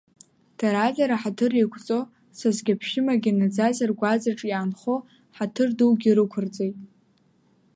Дара-дара ҳаҭыр еиқәҵо, сасгьы-аԥшәымагьы наӡаӡа ргәаҵаҿ иаанхо, ҳаҭыр дугьы рықәрҵеит.